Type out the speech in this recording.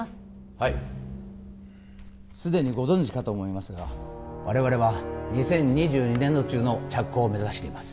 はいすでにご存じかと思いますが我々は２０２２年度中の着工を目指しています